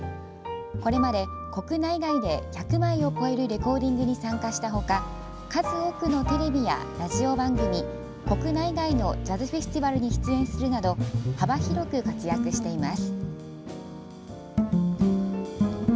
これまで、国内外で１００枚を超えるレコーディングに参加した他数多くのテレビやラジオ番組国内外のジャズフェスティバルに出演するなど幅広く活躍しています。